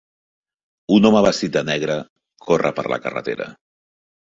Un home vestit de negre corre per la carretera.